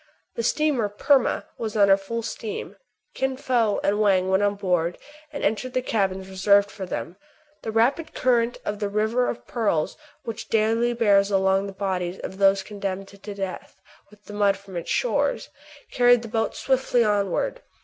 The steamer " Perma " was under full steam. Kin Fo and Wang went on board, and entered the cabins reserved for them. The rapid cui rent of the River of Pearls, which daily bears along the bodies of those condemned to death with the mud from its shores, carried the boat swiftly KIN FO AND THE PHILOSOPHER. 25 onward.